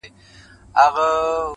سپی دي ښخ وي دلې څه ګناه یې نسته,